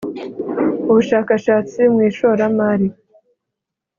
Ubushakashatsi mu ishoramari